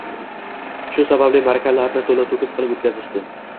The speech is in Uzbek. Shu sababli maʼrakalarni toʻla-toʻkis qilib oʻtkazishdi.